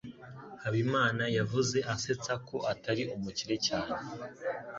Habimana yavuze asetsa ko atari umukire cyane.